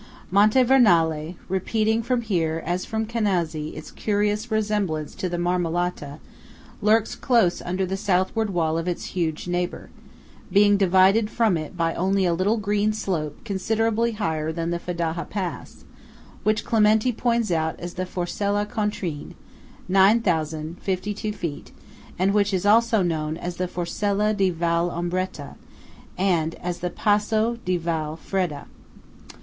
Monte Vernale, repeating from here as from Canazei its curious resemblance to the Marmolata, lurks close under the Southward wall of its huge neighbour, being divided from it by only a little green slope considerably higher than the Fedaja pass, which Clementi points out as the Forcella Contrin (9,052 feet), and which is also known as the Forcella di Val Ombretta, and as the Passo di Val Fredda.